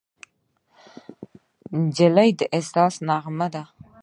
نجلۍ د احساس نغمه ده.